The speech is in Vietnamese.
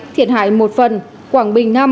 thiệt hại một phần quảng bình năm